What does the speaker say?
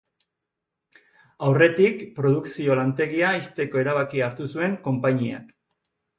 Aurretik produkzio lantegia ixteko erabakia hartu zuen konpainiak.